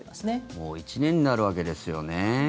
もう１年になるわけですよね。